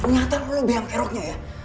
ternyata lo biang biangnya ya